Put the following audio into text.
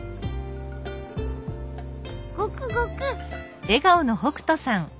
ごくごく。